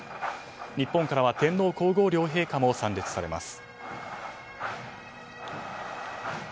日本からは天皇・皇后両陛下も参列されます。